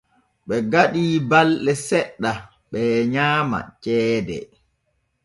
Ɓe gaɗi balɗe seɗɗa ɓee nyaama ceede.